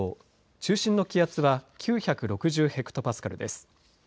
中心の気圧は９６０ヘクトパスカルです。